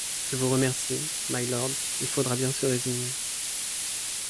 Je vous remercie, mylord, il faudra bien se résigner.